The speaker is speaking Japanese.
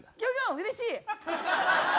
うれしい！